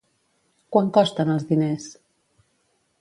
Quant costen els diners?